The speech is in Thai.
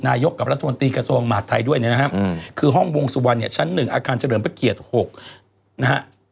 นายกกับรัฐมนตรีกระทรวงมหาดไทยด้วยนะครับคือห้องวงสุวรรณเนี่ยชั้น๑อาคารเฉลิมพระเกียรติ๖นะฮะ